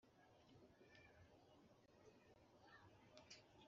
bajyaga batoragura ibyokurya munsi y’ameza yanjye.